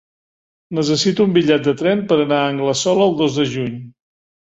Necessito un bitllet de tren per anar a Anglesola el dos de juny.